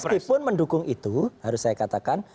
meskipun mendukung itu harus saya katakan